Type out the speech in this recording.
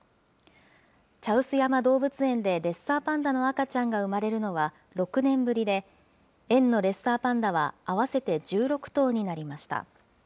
茶臼山動物園でレッサーパンダの赤ちゃんが産まれるのは６年ぶりで、園のレッサーパンダは合わせて１６頭になりました。